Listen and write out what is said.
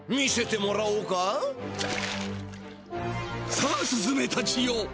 さあスズメたちよ。